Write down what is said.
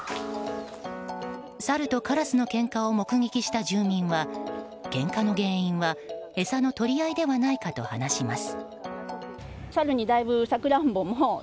サルとカラスのけんかを目撃した住民はけんかの原因は餌の取り合いではないかと話します。